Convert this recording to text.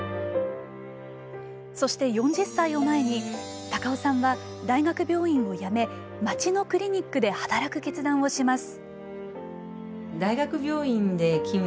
そして４０歳を前に高尾さんは大学病院をやめ街のクリニックで働く決断をします。